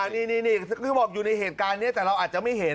นี่คือบอกอยู่ในเหตุการณ์นี้แต่เราอาจจะไม่เห็น